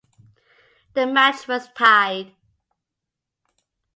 The match was tied.